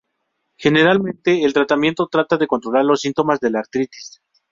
Generalmente el tratamiento trata de controlar los síntomas de la artritis.